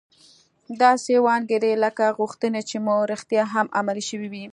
داسې وانګيرئ لکه غوښتنې چې مو رښتيا هم عملي شوې وي.